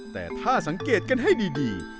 แต่ถ้าสังเกตกันให้ดี